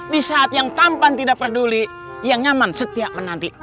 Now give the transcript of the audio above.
di saat yang tampan tidak peduli yang nyaman setiap menanti